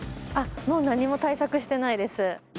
もう何も対策してないです。